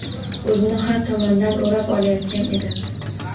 O’zini har tomondan o’rab olayotgan edi.